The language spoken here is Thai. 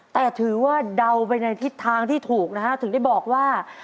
แต่ถือว่าเดาไปในทิศทางที่ถูกนะฮะถึงได้บอกว่า